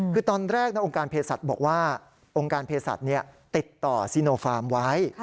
คือตอนแรกนะองค์การเภสัชบอกว่าองค์การเภสัชเนี่ยติดต่อซีโนฟาร์มไว้